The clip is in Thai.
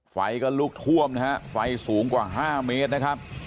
ไฟก็ลุกท่วมนะฮะไฟสูงกว่า๕เมตรนะครับ